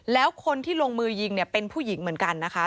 แล้วคนที่ลงมือยิงเนี่ยเป็นผู้หญิงเหมือนกันนะคะ